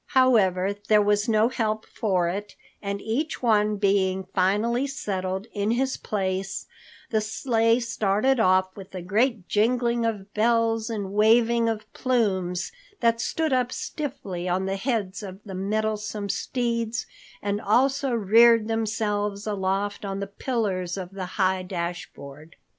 However, there was no help for it, and each one being finally settled in his place, the sleigh started off with a great jingling of bells and waving of plumes that stood up stiffly on the heads of the mettlesome steeds and also reared themselves aloft on the pillars of the high dashboard.